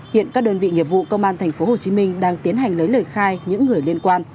hiện các đơn vị nghiệp vụ công an thành phố hồ chí minh đang tiến hành lấy lời khai những người liên quan